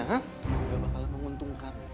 gak bakalan menguntungkan